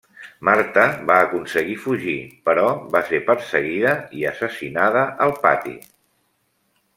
Marta va aconseguir fugir, però va ser perseguida i assassinada al pati.